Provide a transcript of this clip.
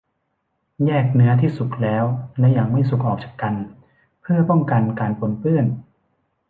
แยกเนื้อที่สุกแล้วและยังไม่สุกออกจากกันเพื่อป้องกันการปนเปื้อน